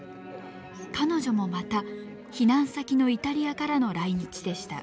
彼女もまた避難先のイタリアからの来日でした。